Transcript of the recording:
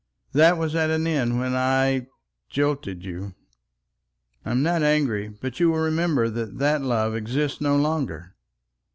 That was at an end when I jilted you. I am not angry; but you will remember that that love exists no longer?